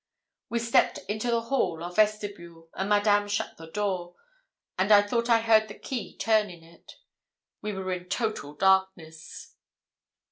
We stepped into the hall or vestibule, and Madame shut the door, and I thought I heard the key turn in it. We were in total darkness.